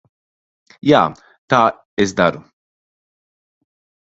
Jā, tā es daru.